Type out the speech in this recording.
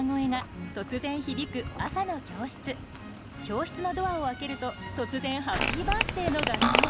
教室のドアを開けると突然「ハッピーバースデー」の合唱。